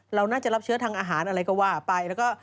เราน่าจะรับเชื้อทางอาหารอะไรก็ว่าไปแล้วก็